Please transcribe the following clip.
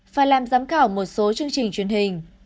phải làm giám khảo một số chương trình truyền hình